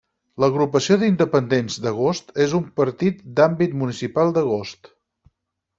L'Agrupació d'Independents d'Agost és un partit d'àmbit municipal d'Agost.